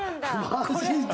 マジで⁉